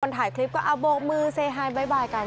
คนถ่ายคลิปก็เอาโบกมือบ๊ายบายกัน